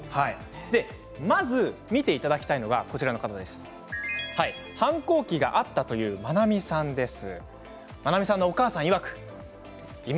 まず見ていただきたいのが反抗期があったというまなみさんです。